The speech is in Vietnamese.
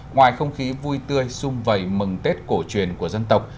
ngoài không khí vui tươi xung vầy mừng tết cổ truyền của dân tộc